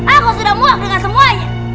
aku sudah muak dengan semuanya